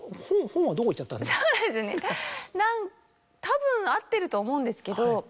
たぶん合ってると思うんですけど